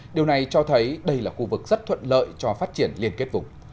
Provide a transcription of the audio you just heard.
điều này cho thấy đây là khu vực rất thuận lợi cho phát triển liên kết vùng